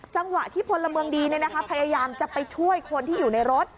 สังหวะที่พนธระเมิงดีน่ะนะคะพยายามจะไปช่วยคนที่อยู่ในรถ